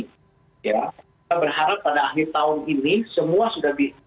kejar naik kreasi kita berharap pada akhir tahun ini semua sudah di